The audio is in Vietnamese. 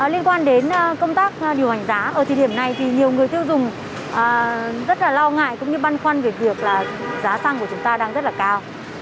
liên quan đến công tác điều hành giá ở thời điểm này thì nhiều người tiêu dùng rất là lo ngại cũng như băn khoăn về việc là giá xăng của chúng ta đang rất là cao